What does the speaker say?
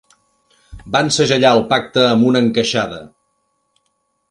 Van segellar el pacte amb una encaixada.